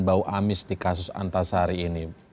bau amis di kasus antasari ini